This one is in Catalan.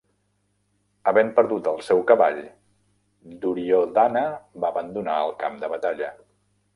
Havent perdut el seu cavall, Duryodhana va abandonar el camp de batalla.